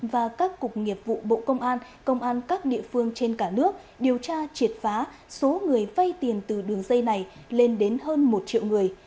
và các cục nghiệp vụ bộ công an công an các địa phương trên cả nước điều tra triệt phá số người vay tiền từ đường dây này lên đến hơn một triệu người